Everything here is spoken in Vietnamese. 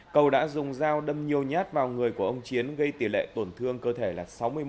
cầu đã dùng dao đâm nhiều nhát vào người của ông chiến gây tỷ lệ tổn thương cơ thể là sáu mươi một